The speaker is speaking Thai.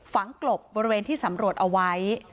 กลบบริเวณที่สำรวจเอาไว้